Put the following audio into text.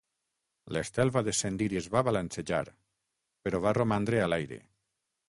L'estel va descendir i es va balancejar, però va romandre a l'aire.